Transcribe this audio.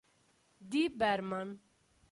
D. Berman.